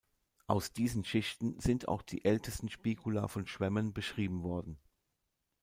Aus diesen Schichten sind auch die ältesten Spicula von Schwämmen beschrieben worden.